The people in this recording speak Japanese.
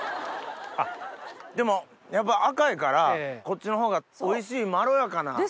でもやっぱ赤いからこっちのほうがおいしいまろやかな。